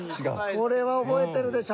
これは覚えてるでしょ。